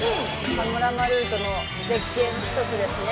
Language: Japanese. パノラマルートの絶景の１つですね。